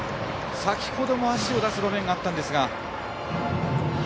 先ほども足を出す場面があったんですが。